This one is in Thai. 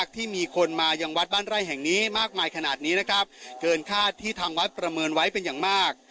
ที่มีคนมายังวัดบ้านไร่แห่งนี้มากมายขนาดนี้นะครับเกินคาดที่ทางวัดประเมินไว้เป็นอย่างมาก